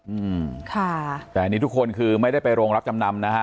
อืมค่ะแต่อันนี้ทุกคนคือไม่ได้ไปโรงรับจำนำนะฮะ